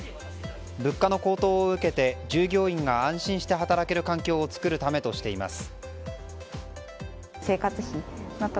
物価の高騰を受けて従業員が安心して働ける環境を作るためとしています。